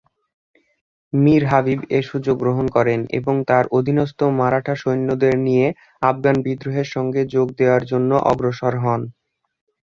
মীর হাবিব এ সুযোগ গ্রহণ করেন এবং তাঁর অধীনস্থ মারাঠা সৈন্যদের নিয়ে আফগান বিদ্রোহীদের সঙ্গে যোগ দেয়ার জন্য অগ্রসর হন।